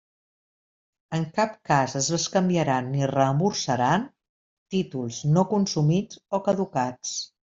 En cap cas es bescanviaran ni reemborsaran títols no consumits o caducats.